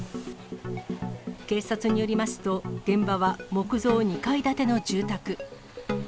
警察によりますと、現場は木造２階建ての住宅。